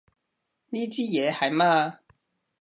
呢支嘢係乜啊？